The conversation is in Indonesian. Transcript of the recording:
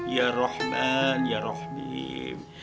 ya rahman ya rahim